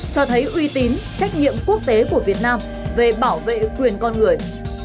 cho thấy uy tín trách nhiệm quốc tế của việt nam về bảo vệ quyền con người